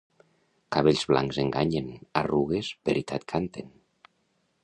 Cabells blancs enganyen, arrugues veritat canten.